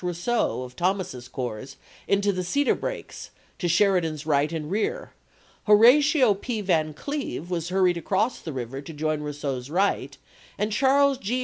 Rousseau of Thomas's corps into the cedar brakes to Sheridan's right and rear ; Horatio P. Van Cleve was hurried across the river to join Rousseau's right, and Charles G.